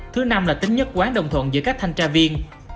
thứ năm là tính nhất quán đồng thuận giữa các thanh tra viên